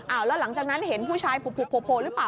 แล้วหลังจากนั้นเห็นผู้ชายผูหรือเปล่า